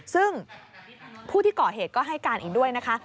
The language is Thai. ซึ่งผู้ที่ก่อเหตุก็ให้การอีกด้วยนะคะ